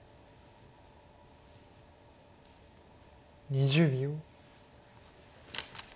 ２０秒。